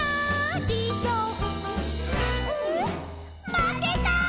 まけた」